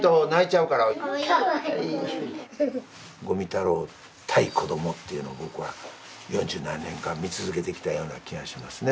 五味太郎対子どもっていうのを僕は四十何年間見続けてきたような気がしますね。